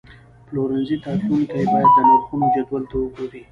پلورنځي ته تلونکي باید د نرخونو جدول ته وګوري.